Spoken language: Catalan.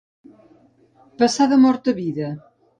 Passar de mort a vida.